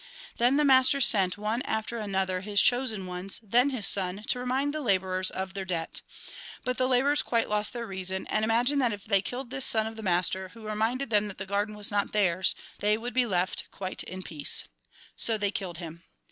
Then the master sent one after another his chosen ones, then his son, to remind the labourers of their debt. But the labourers quite lost their reason, and imagined that if they killed tliis son of the master, who re minded them that the garden was not theirs, they would be left quite in peace. So they killed him.